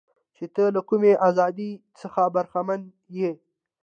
چې ته له کمې ازادۍ څخه برخمنه یې.